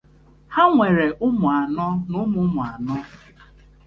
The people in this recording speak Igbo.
Ha nwere ụmụ anọ na ụmụ ụmụ anọ.